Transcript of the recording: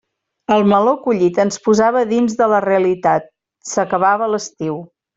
El meló collit ens posava dins de la realitat: s'acabava l'estiu.